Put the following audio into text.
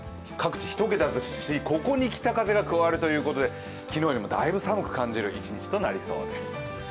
各地１桁ですし、ここに北風が加わるということで、昨日よりもだいぶ寒く感じる一日となりそうです。